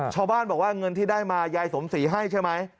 ชาวบ้านบอกว่าเงินที่ได้มายายสมศรีให้ใช่ไหม